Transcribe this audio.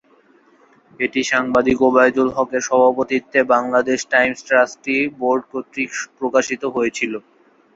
এটি সাংবাদিক ওবায়দুল হকের সভাপতিত্বে বাংলাদেশ টাইমস ট্রাস্টি বোর্ড কর্তৃক প্রকাশিত হয়েছিল।